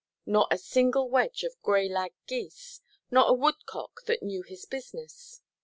—nor a single wedge of grey–lag geese, nor a woodcock that knew his business.